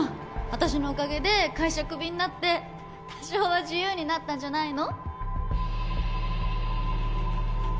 私のおかげで会社クビになって多少は自由になったんじゃないの？